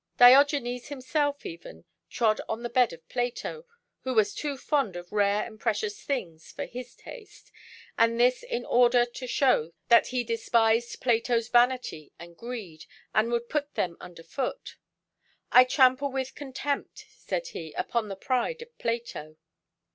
"Diogenes himself, even, trod on the bed of Plato, who was too fond (5) of rare and precious things for his taste, and this in order to show that he despised Plato's vanity and greed, and would put them under foot. 'I trample with contempt,' said he, 'upon the pride of Plato.